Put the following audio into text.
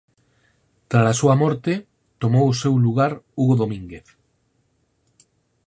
Trala súa morte tomou o seu lugar Hugo Domínguez.